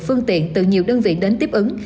phương tiện từ nhiều đơn vị đến tiếp ứng